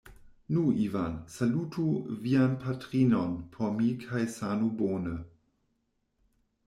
Nu Ivan; salutu vian patrinon por mi kaj sanu bone.